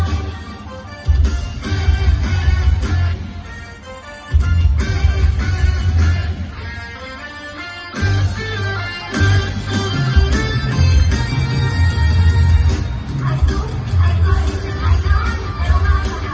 อยากจะจับผ้าน่าคุ้มโดยร้ายให้จับผ้าน่าคุ้มโดยร้าย